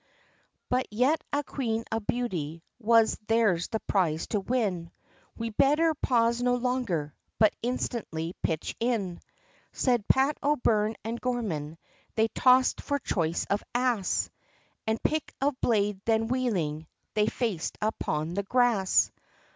But yet a queen of beauty was their's the prize to win. "We better pause no longer, but instantly pitch in," Said Pat O'Byrne, and Gorman. They tossed for choice of ass, And pick of blade, then wheeling, they faced upon the grass.